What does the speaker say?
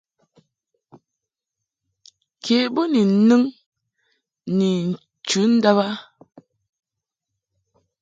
Ke bo ni nɨŋ ni chu ndàb a.